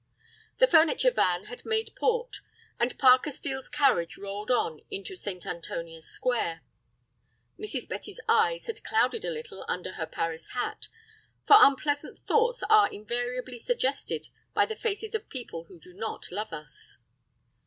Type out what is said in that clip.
The furniture van had made port, and Parker Steel's carriage rolled on into St. Antonia's Square. Mrs. Betty's eyes had clouded a little under her Paris hat, for unpleasant thoughts are invariably suggested by the faces of people who do not love us.